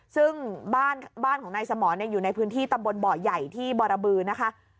ซึ่งบ้านของนายสมรอยู่ในพื้นที่ตำบลบ่อใหญ่ที่บรบือนะคะ